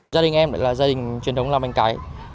gia đình em là gia đình truyền thống làm bánh cấy